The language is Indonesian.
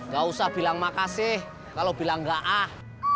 gak usah bilang makasih kalau bilang enggak ah